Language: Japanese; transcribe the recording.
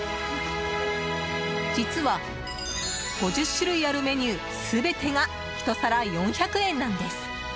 実は５０種類あるメニュー全てがひと皿４００円なんです。